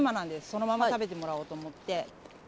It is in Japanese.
そのまま食べてもらおうと思って。